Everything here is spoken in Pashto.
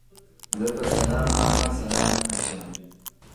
زه په سلام ماما سلام اچوم